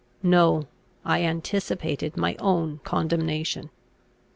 No; I anticipated my own condemnation.